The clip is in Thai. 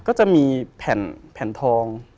ก็จะมีแผ่นแผ่นทอง